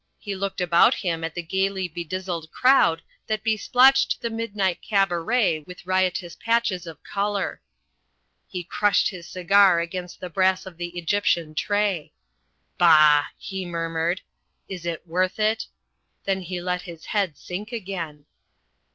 He looked about him at the gaily bedizzled crowd that besplotched the midnight cabaret with riotous patches of colour. He crushed his cigar against the brass of an Egyptian tray. 'Bah!' he murmured, 'Is it worth it?' Then he let his head sink again."